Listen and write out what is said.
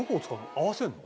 合わせるの？